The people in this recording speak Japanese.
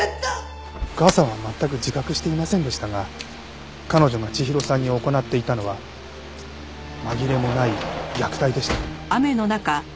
お母さんは全く自覚していませんでしたが彼女が千尋さんに行っていたのは紛れもない虐待でした。